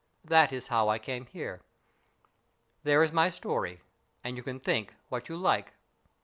That is how I came here. There is my story, and you can think what you like."